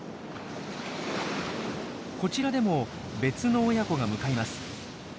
こちらでも別の親子が向かいます。